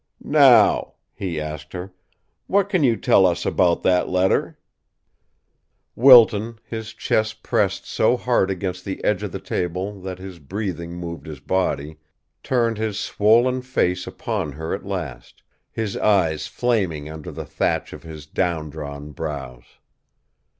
"Now," he asked her, "what can you tell us about that letter?" Wilton, his chest pressed so hard against the edge of the table that his breathing moved his body, turned his swollen face upon her at last, his eyes flaming under the thatch of his down drawn brows.